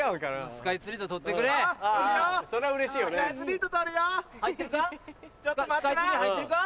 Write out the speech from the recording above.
スカイツリー入ってるか？